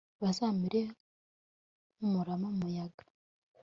bazamere nk'umurama mu muyaga